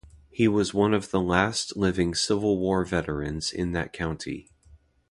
He was one of the last living Civil War veterans in that county.